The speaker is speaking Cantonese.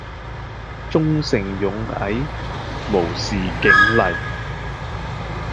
忠誠勇毅無視警例